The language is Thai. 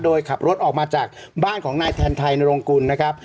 โดยขับรถออกมาจากบ้านของนายแทนไทยนรงกุลนะครับ